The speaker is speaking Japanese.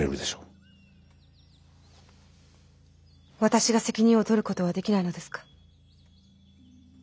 私が責任を取ることはできないのですか。